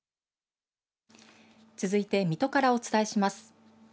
続いて水戸からお伝えします。